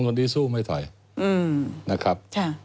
คนนี้สู้ไม่ถอยนะครับ